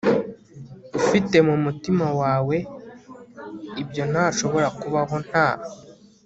ufite mumutima wawe ibyo ntashobora kubaho nta